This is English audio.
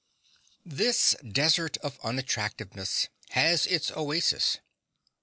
This desert of unattractiveness has its oasis.